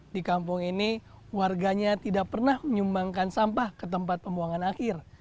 di kampung ini warganya tidak pernah menyumbangkan sampah ke tempat pembuangan akhir